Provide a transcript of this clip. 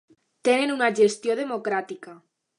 Tenen una gestió democràtica.